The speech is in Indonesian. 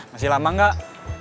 masih lama gak